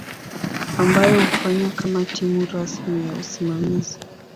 ambayo hufanya kama timu rasmi ya usimamizi.